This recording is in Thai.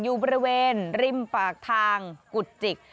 อยู่บริเวณริมปากทางกุจจิก